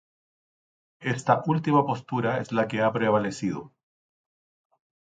Esta última postura es la que ha prevalecido.